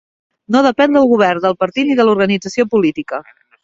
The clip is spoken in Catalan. No depèn del govern, del partit ni de l'organització política.